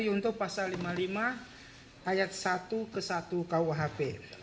untuk pasal lima puluh lima ayat satu ke satu kuhp